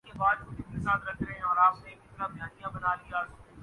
Dubai میں یاسر شاہ کی تباہ کن bowling New Zealand follow on کا شکار